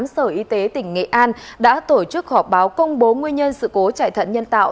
sở y tế tỉnh nghệ an đã tổ chức họp báo công bố nguyên nhân sự cố chạy thận nhân tạo